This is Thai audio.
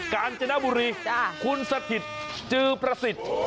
กาญจนบุรีคุณสถิตจือประสิทธิ์